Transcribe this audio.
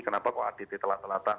kenapa kok adt telat telatan